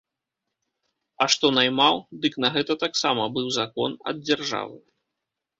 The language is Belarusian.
А што наймаў, дык на гэта таксама быў закон ад дзяржавы.